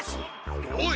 おい！